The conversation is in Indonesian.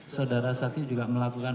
saudara satu juga melakukan